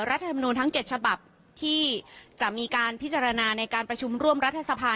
รัฐธรรมนูลทั้ง๗ฉบับที่จะมีการพิจารณาในการประชุมร่วมรัฐสภา